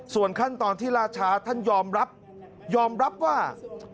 ส่วนขั้นตอนที่ล่าช้าท่านยอมรับยอมรับว่า